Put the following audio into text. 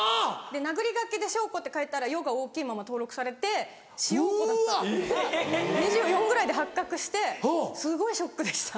殴り書きで「しょうこ」って書いたら「よ」が大きいまま登録されて「しようこ」だったっていうのが２４歳ぐらいで発覚してすごいショックでした。